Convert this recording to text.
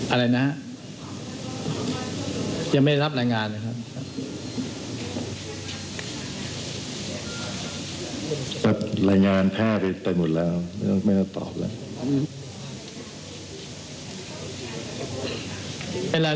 อะไรนะฮะยังไม่ได้รับรายงานนะครับ